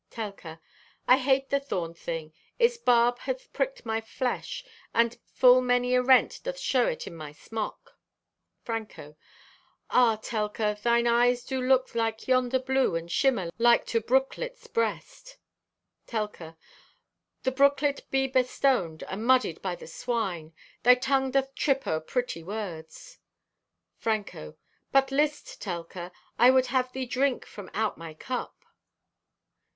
Telka.—"I hate the thorned thing. Its barb hath pricked my flesh and full many a rent doth show it in my smock." Franco.—"Ah, Telka, thine eyes do look like yonder blue and shimmer like to brooklet's breast." Telka.—"The brooklet be bestoned, and muddied by the swine. Thy tung doth trip o'er pretty words." Franco.—"But list, Telka, I would have thee drink from out my cup!"